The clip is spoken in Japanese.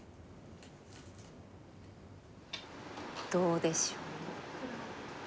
どうでしょう？